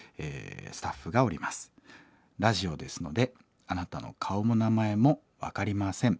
ラジオですのであなたの顔も名前も分かりません。